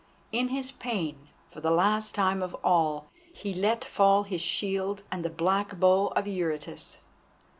In his pain, for the last time of all, he let fall his shield and the black bow of Eurytus.